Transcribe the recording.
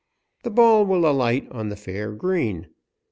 The ball will alight on the fair green.